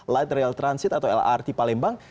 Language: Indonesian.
light rail transit atau lrt palembang